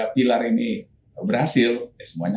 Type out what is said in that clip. pilar ini berhasil semuanya